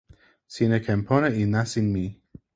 sina ken pona e nasin mi.